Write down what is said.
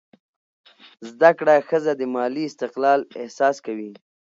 زده کړه ښځه د مالي استقلال احساس کوي.